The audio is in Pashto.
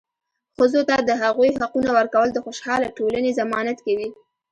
ښځو ته د هغوي حقونه ورکول د خوشحاله ټولنې ضمانت کوي.